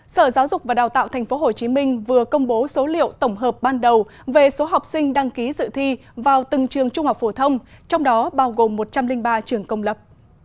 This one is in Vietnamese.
sở giáo dục và đào tạo tp hcm vừa công bố số liệu tổng hợp ban đầu về số học sinh đăng ký dự thi vào từng trường trung học phổ thông trong đó bao gồm một trăm linh ba trường công lập